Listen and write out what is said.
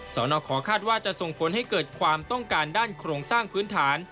สนขอคาดว่าจะส่งผลให้เกิดความต้องการด้านโครงสร้างพื้นฐาน